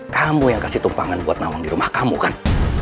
kamu yang kasih tumpangan buat nawang di rumah kamu kan